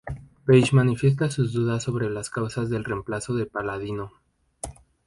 Page manifiesta sus dudas sobre las causas del reemplazo de Paladino.